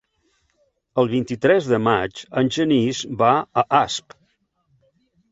El vint-i-tres de maig en Genís va a Asp.